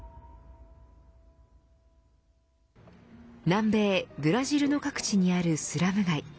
南米ブラジルの各地にあるスラム街。